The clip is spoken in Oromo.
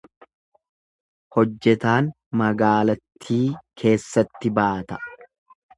Hojjetaan magaalattii keessatti baata.